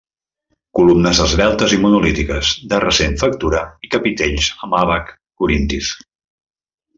Columnes esveltes i monolítiques de recent factura i capitells amb àbac corintis.